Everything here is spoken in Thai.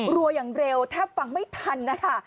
รัวอย่างเร็วแทบฟังไม่ทันนะคะ